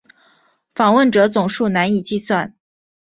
访问者总数难以计算。